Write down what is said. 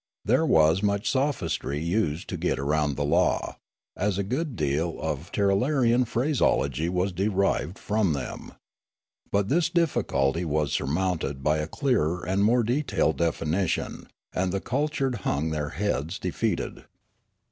There was much sophistry used to get round the law, as a good deal of Tirralarian phraseology was derived from them. But this difficulty was surmounted by a clearer and more detailed definition, and the cultured hung their heads defeated.